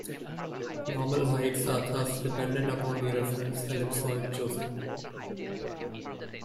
Normal heights are thus dependent upon the reference ellipsoid chosen.